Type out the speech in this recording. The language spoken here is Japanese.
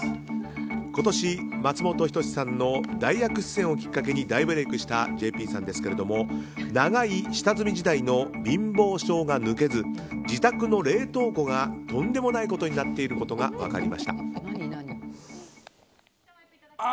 今年、松本人志さんの代役出演をきっかけに大ブレークしたＪＰさんですけど長い下積み時代の貧乏性が抜けず自宅の冷凍庫がとんでもないことになっていることが分かりました。